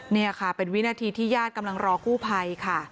นี่ค่ะเป็นวินาทีที่ญาติกำลังรอกู้ภัยค่ะ